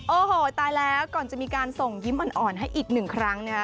โอ้โหตายแล้วก่อนจะมีการส่งยิ้มอ่อนให้อีกหนึ่งครั้งนะฮะ